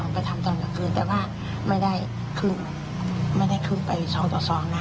ที่ทำตอนกลางคืนแต่ว่าไม่ได้ขึ้นไปซองต่อซองอ่ะ